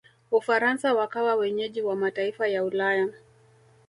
ufaransa wakawa wenyeji wa mataifa ya ulaya